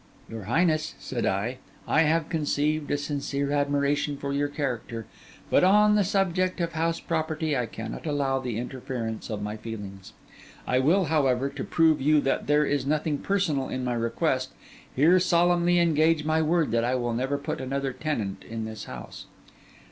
'Your highness,' said I, 'I have conceived a sincere admiration for your character; but on the subject of house property, I cannot allow the interference of my feelings. I will, however, to prove to you that there is nothing personal in my request, here solemnly engage my word that I will never put another tenant in this house.